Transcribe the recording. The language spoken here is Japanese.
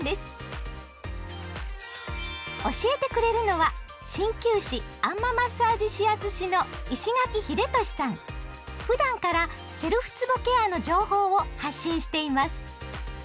教えてくれるのは鍼灸師あん摩マッサージ指圧師のふだんからセルフつぼケアの情報を発信しています。